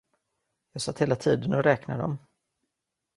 Jag satt hela tiden och räknade dom.